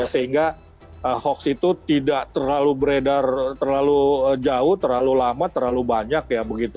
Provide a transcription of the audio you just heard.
sehingga hoax itu tidak terlalu beredar terlalu jauh terlalu lama terlalu banyak ya begitu